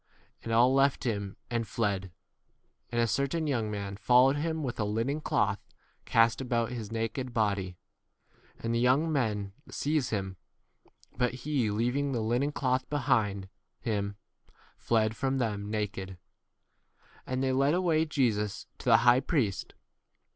And all left him and 51 fled. And a certain young man followed him with a linen cloth cast about his naked [body] ; and 52 the young men seize him, but he, leaving the linen cloth behind [him], fled from them naked. 53 And they led away Jesus to the high priest.